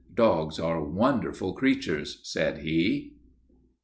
"Dogs are wonderful creatures," said he.